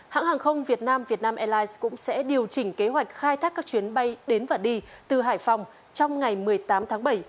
hãng hàng không việt nam vietnam airlines cũng sẽ điều chỉnh kế hoạch khai thác các chuyến bay đến và đi từ hải phòng trong ngày một mươi tám tháng bảy